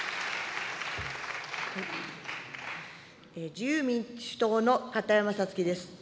自由民主党の片山さつきです。